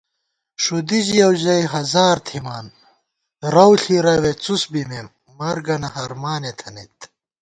ݭُدی ژِیَؤ ژَئی ہزار تھِمان، رَؤ ݪِی رَوےڅُس بِمېم، مرگنہ ہرمانےتھنَئیت